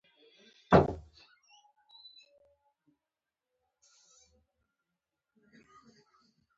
• ته د سکوت نه راوتلې زمزمه یې.